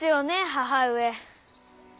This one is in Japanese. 母上。